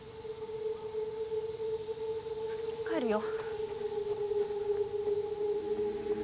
帰るよ。